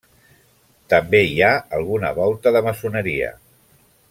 També hi ha alguna volta de maçoneria.